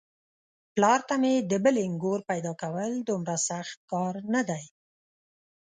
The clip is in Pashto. پلار ته مې د بلې نږور پيداکول دومره سخت کار نه دی.